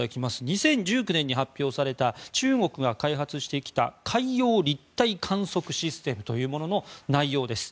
２０１９年に発表された中国が開発してきた海洋立体観測システムというものの内容です。